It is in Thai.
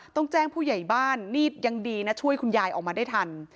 ต้องแจ้งผู้ใหญ่บ้านนี่ยังดีนะช่วยคุณยายออกมาได้ทัน